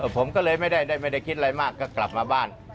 ผมก็เลยไม่ได้คิดอะไรมากก็กลับมาบ้าน